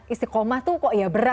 istiqomah tuh kok ya berat